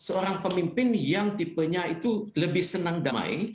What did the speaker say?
seorang pemimpin yang tipenya itu lebih senang damai